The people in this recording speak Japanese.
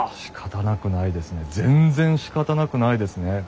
しかたなくないですね全然しかたなくないですね。